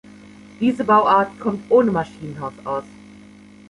Diese Bauart kommt ohne Maschinenhaus aus.